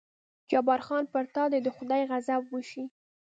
جبار خان: پر تا دې د خدای غضب وشي.